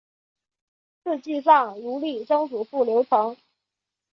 赐祭葬如例曾祖父刘澄。